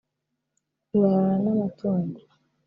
urarana n’amatungo